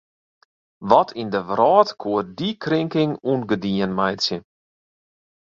Wat yn de wrâld koe dy krinking ûngedien meitsje?